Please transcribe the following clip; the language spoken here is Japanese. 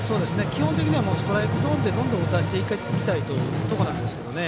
基本的にはストライクゾーンでどんどん打たせていきたいところなんですけどね。